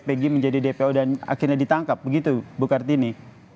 pg menjadi dpo dan akhirnya ditangkap begitu bu kartini